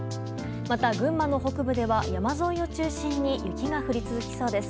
また、群馬の北部では山沿いを中心に雪が降り続きそうです。